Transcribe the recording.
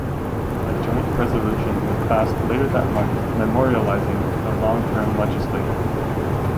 A Joint Resolution was passed later that month memorializing the longtime legislator.